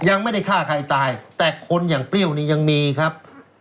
ยังไม่ได้ฆ่าใครตายแต่คนอย่างเปรี้ยวนี่ยังมีครับ